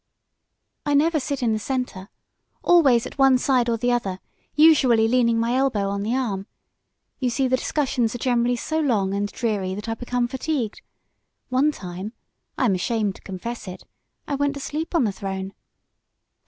"I never sit in the center. Always at one side or the other, usually leaning my elbow on the arm. You see, the discussions are generally so long and dreary that I become fatigued. One time, I am ashamed to confess it, I went to sleep on the throne.